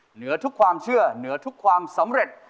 เหนือทุกความเชื่อเหนือทุกความสำเร็จ